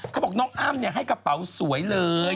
เขาบอกน้องอ้ำให้กระเป๋าสวยเลย